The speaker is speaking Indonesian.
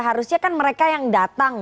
harusnya kan mereka yang datang